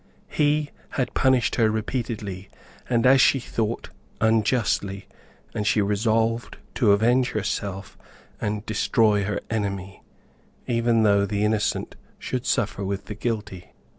He had punished her repeatedly, and as she thought, unjustly, and she resolved to avenge herself and destroy her enemy, even though the innocent should suffer with the guilty.